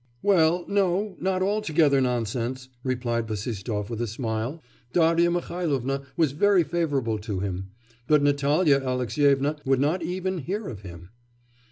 'Well, no, not altogether nonsense,' replied Bassistoff with a smile; 'Darya Mihailovna was very favourable to him; but Natalya Alexyevna would not even hear of him.